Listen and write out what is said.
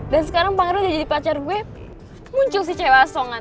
dan sekarang pangeran udah jadi pacar gue muncul si cewek asongan